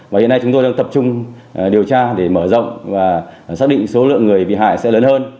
và hiện nay chúng tôi đang tập trung điều tra để mở rộng và xác định số lượng người bị hại sẽ lớn hơn